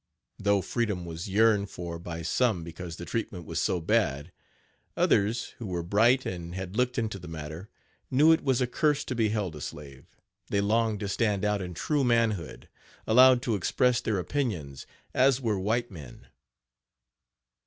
Though freedom was yearned for by some because the treatment was so bad, others, who were bright and had looked into the matter, knew it was a curse to be held a slave they longed to stand out in true manhood allowed to express their opinions as were white men.